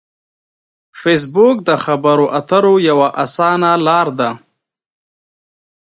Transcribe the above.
فېسبوک د خبرو اترو یوه اسانه لار ده